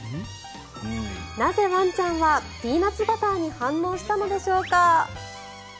なぜワンちゃんはピーナツバターに反応したのでしょうか。